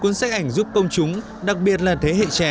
cuốn sách ảnh giúp công chúng đặc biệt là thế hệ trung tâm